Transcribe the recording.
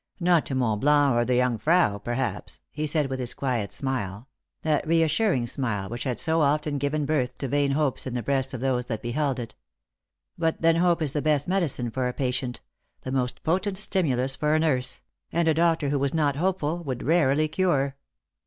" Not to Mont Blanc or the Jungfrau, perhaps," he said with his quiet smile — that reassuring smile which had so often given birth to vain hopes in the breasts of those that beheld it. But then hope is the best medicine for a patient, the most potent stimulus for a nurse ; and a doctor who was not hopeful would rarely cure.